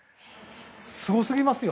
すごすぎますよ。